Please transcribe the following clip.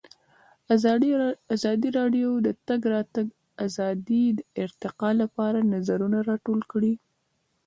ازادي راډیو د د تګ راتګ ازادي د ارتقا لپاره نظرونه راټول کړي.